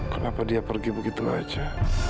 kenapa dia pergi begitu saja